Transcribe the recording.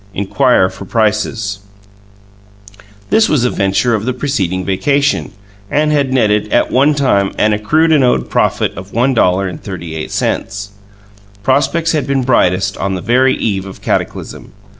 iNQuiRE FOR PRicEs This was a venture of the preceding vacation, and had netted, at one time, an accrued and owed profit of $1.38. Prospects had been brightest on the very eve of cataclysm.